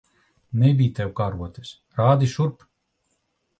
Nebij tev karotes. Rādi šurp!